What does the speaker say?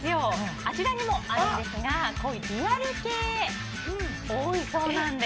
あちらにもあるんですがリアル系が多いそうなんです。